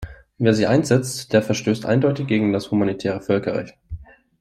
Wer sie einsetzt, der verstößt eindeutig gegen das humanitäre Völkerrecht.